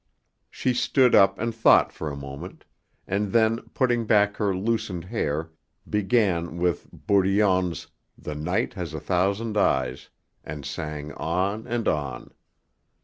She stood up and thought for a moment, and then putting back her loosened hair began with Bourdillon's "The night has a thousand eyes," and sang on and on.